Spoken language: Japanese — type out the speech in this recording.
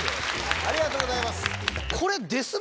ありがとうございます。